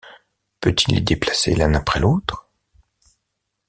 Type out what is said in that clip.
Peut-il les déplacer l’un après l’autre?...